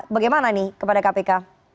bagaimana nih kepada kpk